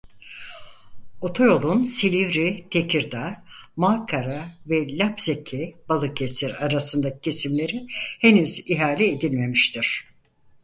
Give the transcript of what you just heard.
Otoyolun Silivri-Tekirdağ-Malkara ve Lapseki-Balıkesir arasındaki kesimleri henüz ihale edilmemiştir.